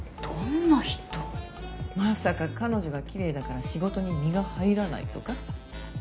まさか彼女がきれいだから仕事に身が入らないとか？